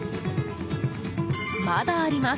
まだあります！